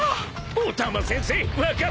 ［お玉先生分かってるべ］